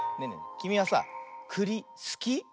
きみはさくりすき？